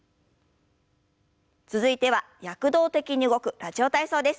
続いては躍動的に動く「ラジオ体操」です。